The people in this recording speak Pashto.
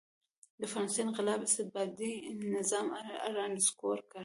د فرانسې انقلاب استبدادي نظام را نسکور کړ.